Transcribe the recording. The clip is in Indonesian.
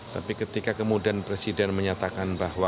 tapi ketika kemudian presiden menyatakan bahwa